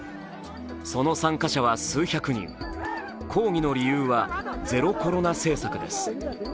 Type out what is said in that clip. その参加者は数百人抗議の理由はゼロコロナ政策です。